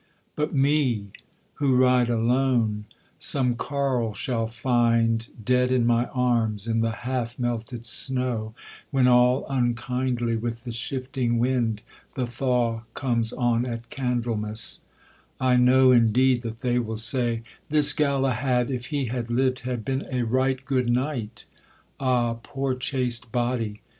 But me, who ride alone, some carle shall find Dead in my arms in the half melted snow, When all unkindly with the shifting wind, The thaw comes on at Candlemas: I know Indeed that they will say: 'This Galahad If he had lived had been a right good knight; Ah! poor chaste body!'